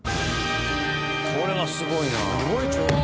これはすごいな。